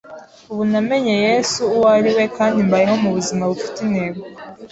ubu namenye Yesu uwo ari we kandi mbayeho mu buzima bufite intego